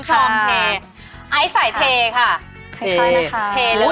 ไอ้ใส่เทค่ะ